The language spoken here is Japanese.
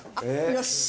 よし！